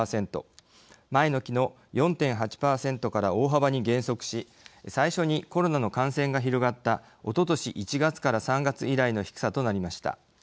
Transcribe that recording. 前の期の４．８％から大幅に減速し最初にコロナの感染が広がったおととし１月から３月以来の低さとなりました。